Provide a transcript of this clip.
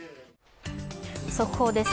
速報です。